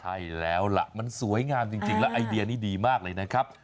ใช่แล้วล่ะมันสวยงามจริงแล้วไอเดียนี้ดีมากเลยนะครับ